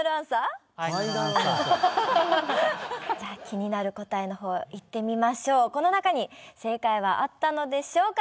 じゃあ気になる答えのほういってみましょうこの中に正解はあったのでしょうか？